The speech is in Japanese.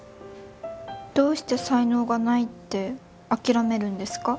どうして才能がないって諦めるんですか？